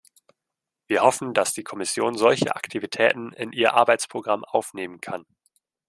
Wir hoffen, dass die Kommission solche Aktivitäten in ihr Arbeitsprogramm aufnehmen kann.